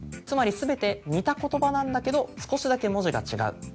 つまり全て似た言葉なんだけど少しだけ文字が違う。